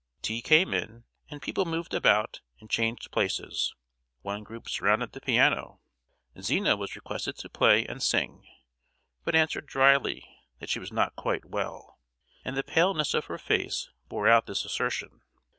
Tea came in, and people moved about and changed places: one group surrounded the piano; Zina was requested to play and sing, but answered drily that she was not quite well—and the paleness of her face bore out this assertion.